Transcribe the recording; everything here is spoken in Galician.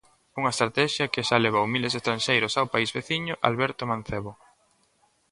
Unha estratexia que xa levou miles de estranxeiros ao país veciño, Alberto Mancebo.